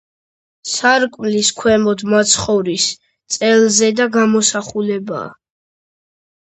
სარკმლის ქვემოთ მაცხოვრის წელზედა გამოსახულებაა.